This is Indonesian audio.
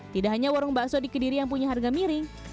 tidak hanya warung bakso di kediri yang punya harga miring